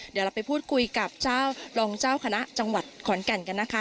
เดี๋ยวเราไปพูดคุยกับเจ้ารองเจ้าคณะจังหวัดขอนแก่นกันนะคะ